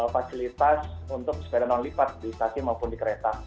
fasilitas untuk sepeda non lipat di stasiun maupun di kereta